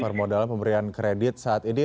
permodalan pemberian kredit saat ini